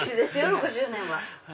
６０年は。